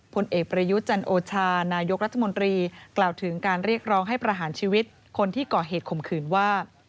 ผลเอกประยุทธ์จันโอชานายกรัฐมนตรีกล่าวถึงการเรียกร้องให้ประหารชีวิตคนที่ก่อเหตุข่มขืนว่า